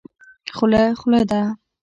خوله خوله ده.